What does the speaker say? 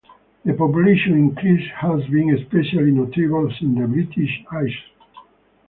The population increase has been especially notable in the British Isles.